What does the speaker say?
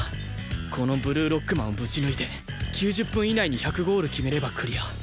このブルーロックマンをぶち抜いて９０分以内に１００ゴール決めればクリア